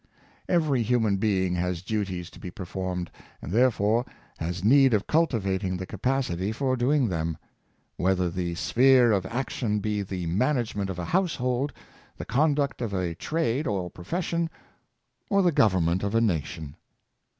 Every human being has duties to be per formed, and, therefore, has need of cultivating the capacity for doing them; whether the sphere of action be the management of a household, the conduct of a trade or profession, or the government of a nation.